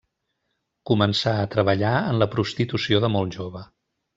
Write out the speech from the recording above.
Començà a treballar en la prostitució de molt jove.